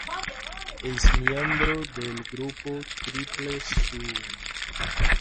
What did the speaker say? Es miembro del grupo Triple Sun.